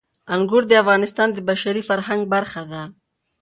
انګور د افغانستان د بشري فرهنګ برخه ده.